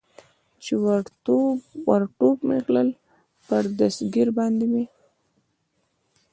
چې ور ټوپ مې کړل، پر دستګیر باندې مې.